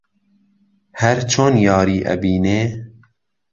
هەر چۆن یاری ئەبینێ